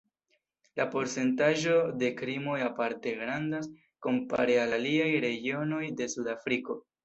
La procentaĵo de krimoj aparte grandas, kompare al aliaj regionoj de Sud-Afriko.